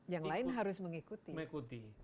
yang lain harus mengikuti